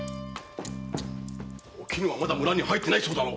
おきぬはまだ村に入ってないそうだな